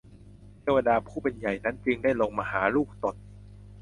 เทวดาผู้เป็นใหญ่นั้นจึงได้ลงมาหาลูกตน